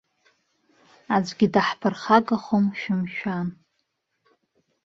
Аӡәгьы даҳԥырхагахом, шәымшәан.